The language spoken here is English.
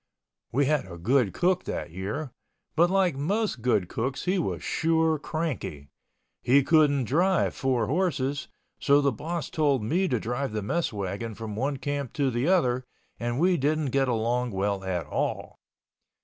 We had a good cook that year—but like most good cooks he was sure cranky. He couldn't drive four horses, so the boss told me to drive the mess wagon from one camp to the other, and we didn't get along well at all.